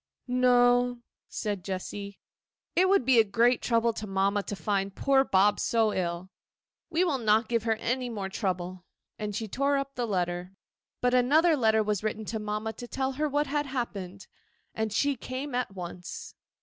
'No,' said Jessy; 'it will be a great trouble to mamma to find poor Bob so ill. We will not give her any more trouble.' And she tore up the letter. But another letter was written to mamma to tell her what had happened, and she came at once.